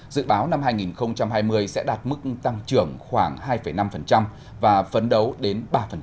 dự báo năm hai nghìn hai mươi sẽ đạt mức tăng trưởng khoảng hai năm và phấn đấu đến ba